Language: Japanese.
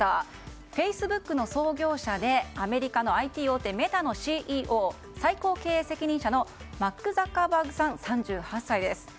フェイスブックの創業者でアメリカＩＴ大手メタのＣＥＯ、最高経営責任者マーク・ザッカーバーグさん３８歳です。